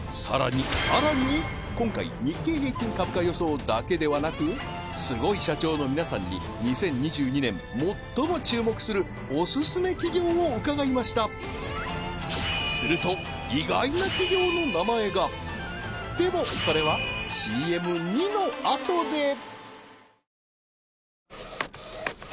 さらにさらに今回日経平均株価予想だけではなくスゴい社長の皆さんに２０２２年最も注目するオススメ企業を伺いましたすると意外な企業の名前がでもそれはＣＭ②のあとで！